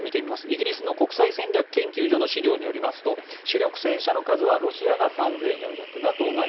イギリスの国際戦略研究所の資料によりますと主力戦車の数はロシアが３４００ＮＡＴＯが１万２４００。